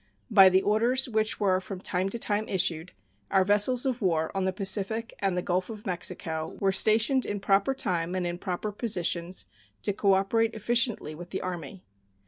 By the orders which were from time to time issued, our vessels of war on the Pacific and the Gulf of Mexico were stationed in proper time and in proper positions to cooperate efficiently with the Army.